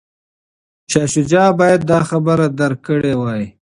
شاه شجاع باید دا خبره درک کړې وای.